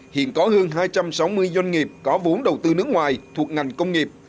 hiện có hơn hai trăm sáu mươi doanh nghiệp có vốn đầu tư nước ngoài thuộc ngành công nghiệp